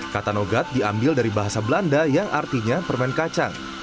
kata nogat diambil dari bahasa belanda yang artinya permen kacang